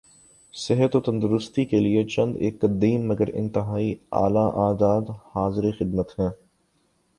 صحت و تندرستی کیلئے چند ایک قدیم مگر انتہائی اعلی عادات حاضر خدمت ہیں